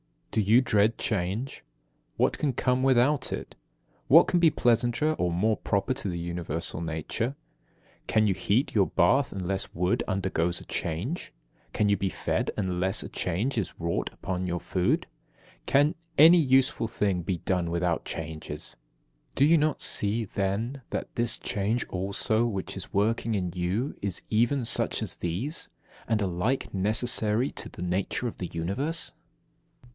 18. Do you dread change? What can come without it? What can be pleasanter or more proper to universal nature? Can you heat your bath unless wood undergoes a change? Can you be fed unless a change is wrought upon your food? Can any useful thing be done without changes? Do you not see, then, that this change also which is working in you is even such as these, and alike necessary to the nature of the Universe?